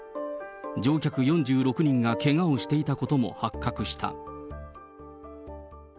乗客４６人がけがをしていたことも発覚した。